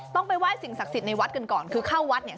ต้องไปไหว้สิ่งศักดิ์สิทธิ์ในวัดกันก่อนคือเข้าวัดเนี่ย